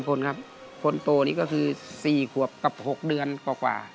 คนครับคนโตนี่ก็คือ๔ขวบกับ๖เดือนกว่า